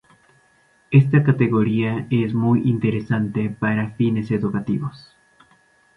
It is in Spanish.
Esta categoría es muy interesante para fines educativos.